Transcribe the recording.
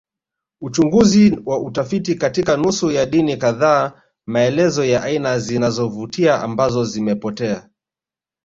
Uchunguzi wa utafiti katika nusu ya dini kadhaa maelezo ya aina zinazovutia ambazo zimepotea